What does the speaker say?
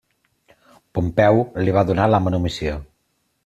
Pompeu li va donar la manumissió.